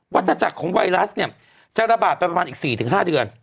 วัตถจักรของไวรัสเนี่ยจะระบาดไปประมาณอีก๔๕เดือน